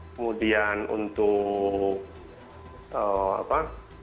kemudian untuk apa